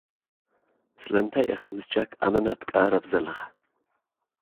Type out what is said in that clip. ስለምንታይ ኢኻ ምስ ጃክ ኣመና ትቀራረብ ዘለኻ?